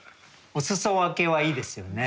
「おすそわけ」はいいですよね。